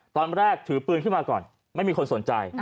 ตอนแรกถือปืนขึ้นมาก่อนไม่มีคนสนใจ